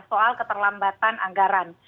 soal keterlambatan anggaran